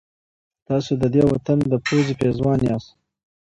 تاسو د دې وطن د پوزې پېزوان یاست.